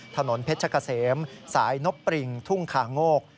ถนนเพชรกะเสมสายนบปริงทุ่งคาโงก